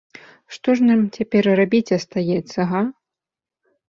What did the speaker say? Што ж нам цяпер рабіць астаецца, га?